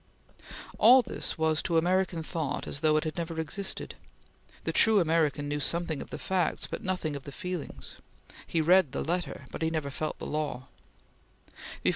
All this was to American thought as though it had never existed. The true American knew something of the facts, but nothing of the feelings; he read the letter, but he never felt the law.